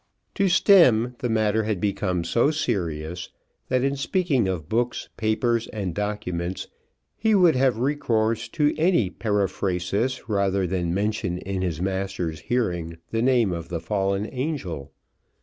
To Stemm the matter had become so serious, that in speaking of books, papers, and documents he would have recourse to any periphrasis rather than mention in his master's hearing the name of the fallen angel.